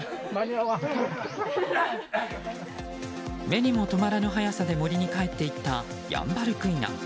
目にも留まらぬ速さで森に帰っていったヤンバルクイナ。